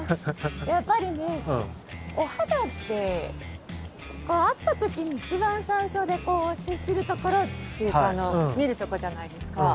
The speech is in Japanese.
やっぱりね、お肌って会った時に一番最初で接するところというか見るところじゃないですか。